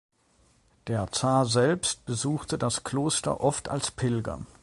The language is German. Der Zar selbst besuchte das Kloster oft als Pilger.